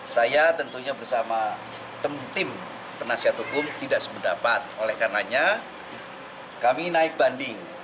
saya tentunya bersama tim penasihat hukum tidak sependapat oleh karenanya kami naik banding